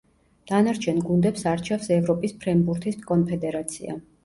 დანარჩენ გუნდებს არჩევს ევროპის ფრენბურთის კონფედერაცია.